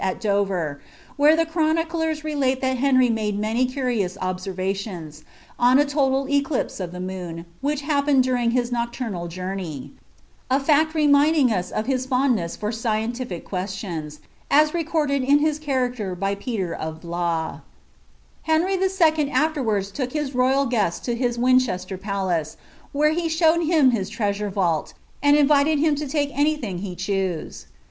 at Dover, where the cfarth nicjers relate that Henry made many curious observations, on ■ toul eclipae of the moon, which happened during his nocturnal joutney,— I &CI reminding us of hia fondness for scientific questions, as rvcordad i> hia character by Peter of Blois. Henry il. aKerwards took hia royal ^est to his Wincbeater Palan. where he showed him his treasure van! U and invited him to t^e ay thing he chose.